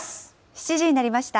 ７時になりました。